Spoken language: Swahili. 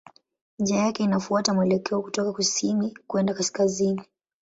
Njia yake inafuata mwelekeo kutoka kusini kwenda kaskazini.